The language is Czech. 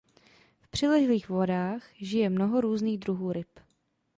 V přilehlých vodách žije mnoho různých druhů ryb.